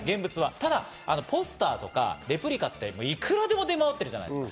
ただポスターとかレプリカっていくらでも出回ってるじゃないですか。